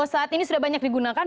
saat ini sudah banyak digunakan